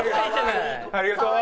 ありがとう！